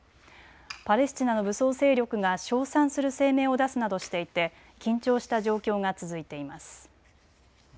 パレスチナの武装勢力が称賛する声明を出すなどしていて緊張した状況が続いています。